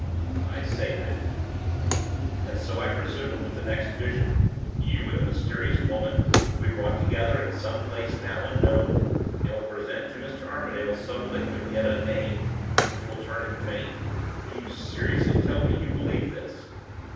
"I say that." "And so again, I presume, with the next vision? You and the mysterious woman will be brought together in some place now unknown, and will present to Mr. Armadale some liquid yet unnamed, which will turn him faint? Do you seriously tell me you believe this?"